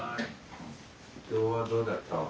今日はどうだった？